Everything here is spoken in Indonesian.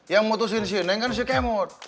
yang memutusin si neng kan si kemut